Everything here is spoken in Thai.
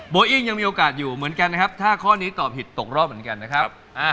อิ้งยังมีโอกาสอยู่เหมือนกันนะครับถ้าข้อนี้ตอบผิดตกรอบเหมือนกันนะครับ